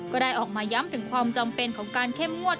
ก็ได้ออกมาย้ำถึงความจำเป็นของการเข้มงวด